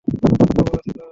খবর আছে ওর।